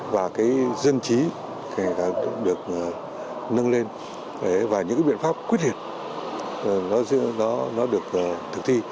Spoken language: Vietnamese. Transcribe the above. và cái dân trí thì được nâng lên và những biện pháp quyết liệt nó được thực thi